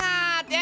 iya dong jajan